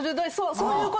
そういうこと。